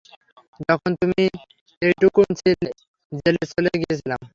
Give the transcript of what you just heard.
যখন তুমি এইটুকুন ছিলে, জেলে চলে গিয়েছিলাম।